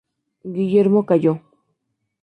Guillermo cayó.